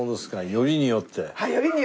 よりによって。